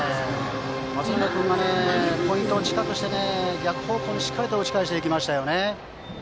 松永君がポイントを近くして逆方向にしっかりと打ち返していきました。